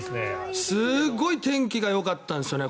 すごい天気がよかったんですよね